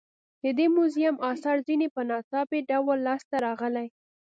د دې موزیم اثار ځینې په ناڅاپي ډول لاس ته راغلي.